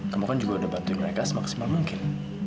kamu kan juga udah bantuin mereka semaksimal mungkin